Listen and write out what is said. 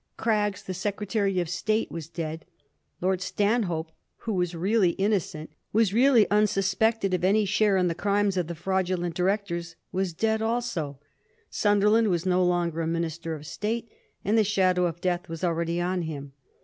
Craggs, the Secretary of State, was dead ; Lord Stan hope, who was really ionocent — ^was really unsus pected of any share in the crimes of the fi^udulent directors — was dead also ; Sunderland was no longer a Minister of State, and the shadow of death was already on him.